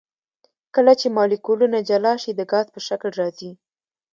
کله چې مالیکولونه جلا شي د ګاز په شکل راځي.